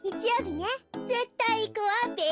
ぜったいいくわべ。